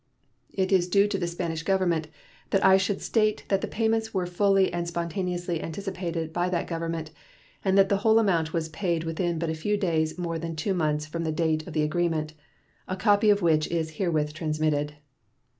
It is due to the Spanish Government that I should state that the payments were fully and spontaneously anticipated by that Government, and that the whole amount was paid within but a few days more than two months from the date of the agreement, a copy of which is herewith transmitted.